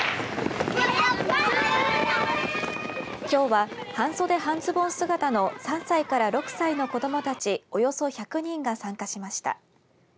きょうは、半袖半ズボン姿の３歳から６歳の子どもたちおよそ１００人が参加しました。